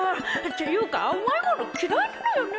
っていうか甘いもの嫌いなのよね！